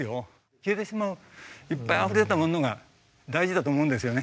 消えてしまういっぱいあふれたものが大事だと思うんですよね。